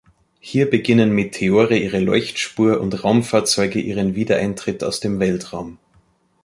Hier beginnen Meteore ihre Leuchtspur und Raumfahrzeuge ihren Wiedereintritt aus dem Weltraum.